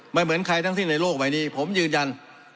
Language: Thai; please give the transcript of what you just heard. เหมือนใครทั้งสิ้นในโลกใบนี้ผมยืนยัน